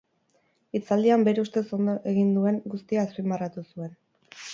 Hitzaldian bere ustez ondo egin duen guztia azpimarratu zuen.